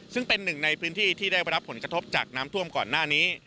ซึ่งเป็นหนึ่งในพื้นที่ที่ได้รับผลกระทบจากน้ำท่วมก่อนหน้านี้